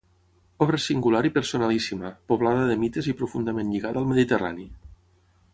Obra singular i personalíssima, poblada de mites i profundament lligada al Mediterrani.